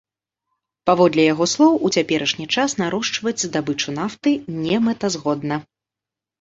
Паводле яго слоў, у цяперашні час нарошчваць здабычу нафты немэтазгодна.